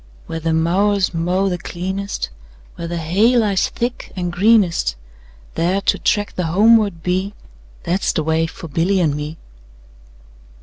Where the mowers mow the cleanest, Where the hay lies thick and greenest, 10 There to track the homeward bee, That 's the way for Billy and me.